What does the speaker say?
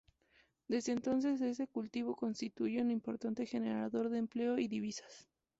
Desde entonces este cultivo constituye un importante generador de empleo y divisas.